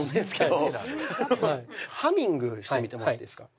ハミングしてみてもらっていいですか？